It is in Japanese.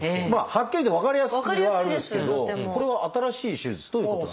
はっきり分かりやすくはあるんですけどこれは新しい手術ということですか？